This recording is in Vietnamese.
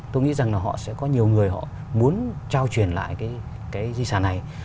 tôi nghĩ rằng là họ sẽ có nhiều người họ muốn trao truyền lại cái di sản này